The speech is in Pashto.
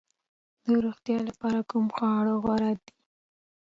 د روغتیا لپاره کوم خواړه غوره دي؟